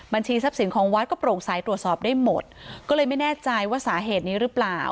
ทรัพย์สินของวัดก็โปร่งใสตรวจสอบได้หมดก็เลยไม่แน่ใจว่าสาเหตุนี้หรือเปล่า